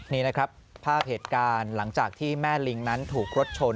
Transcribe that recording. นี่นะครับภาพเหตุการณ์หลังจากที่แม่ลิงนั้นถูกรถชน